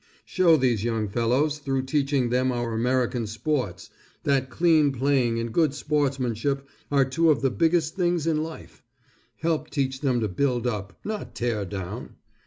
Show these young fellows through teaching them our American sports, that clean playing and good sportsmanship are two of the biggest things in life. Help teach them to build up, not tear down.